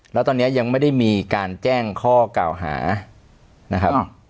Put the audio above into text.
แล้วตอนนี้ยังไม่ได้มีการแจ้งข้อกล่าวหานะครับ